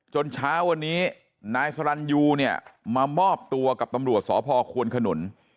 จนช้าวันนี้นายซลัลนนี่มามอบตัวกับตำรวจสรพควนขนฤน